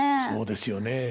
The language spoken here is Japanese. そうですよね。